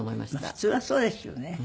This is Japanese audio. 普通はそうですよね。